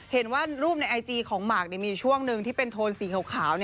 เห็นว่ารูปในไอจีของหมากมีอยู่ช่วงหนึ่งที่เป็นโทนสีขาว